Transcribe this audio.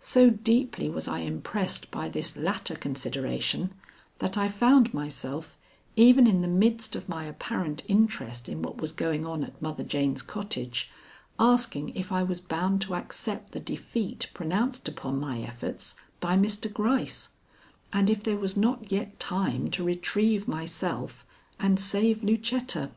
So deeply was I impressed by this latter consideration, that I found myself, even in the midst of my apparent interest in what was going on at Mother Jane's cottage, asking if I was bound to accept the defeat pronounced upon my efforts by Mr. Gryce, and if there was not yet time to retrieve myself and save Lucetta.